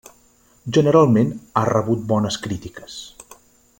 Generalment ha rebut bones crítiques.